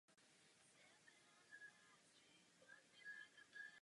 Autorem seriálu je Geoff Johns.